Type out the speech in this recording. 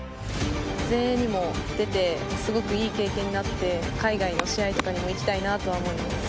◆全英にも出て、すごくいい経験になって、海外の試合とかにも行きたいなと思います。